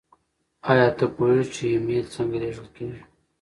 ایا ته پوهېږې چې ایمیل څنګه لیږل کیږي؟